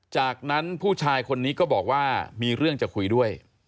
จากนั้นผู้ชายคนนี้ก็บอกว่ามีเรื่องจะคุยด้วย